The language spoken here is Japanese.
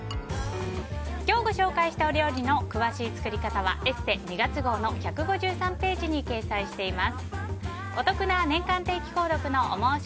今日ご紹介したお料理の詳しい作り方は「ＥＳＳＥ」２月号の１５３ページに掲載しています。